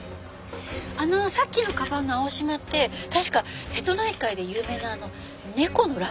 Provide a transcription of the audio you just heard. あのさっきのかばんの青島って確か瀬戸内海で有名な猫の楽園ですよね。